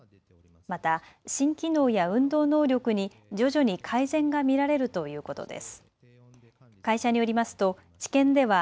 また心機能や運動能力に徐々に改善が見られるということです。